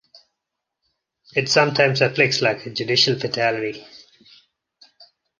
It sometimes afflicts like a judicial fatality.